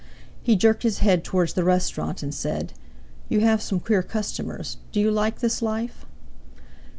He jerked his head towards the restaurant and said: "You have some queer customers. Do you like this life?"